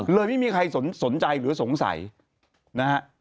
ไม่มีใครสนใจหรือสงสัยนะฮะ